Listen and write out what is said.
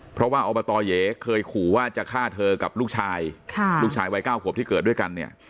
เพราะว่าอบตเย๋เคยขู่ว่าจะฆ่าเธอกับลูกชายลูกชายวัย๙ขวบที่เกิดด้วยกันเนี่ย